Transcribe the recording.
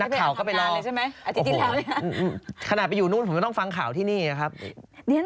นักข่าวก็ไปรอโอ้โฮขนาดไปอยู่นู้นผมก็ต้องฟังข่าวที่นี่นะครับอาทิตย์ที่แล้ว